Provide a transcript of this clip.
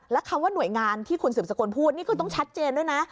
แล้วคำว่าหน่วยงานที่คุณสืบสกุลพูดนี่คือต้องชัดเจนด้วยนะ